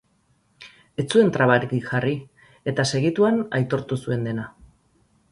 Ez zuen trabarik jarri eta segituan aitortu zuen dena.